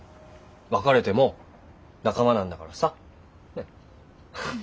別れても仲間なんだからさ。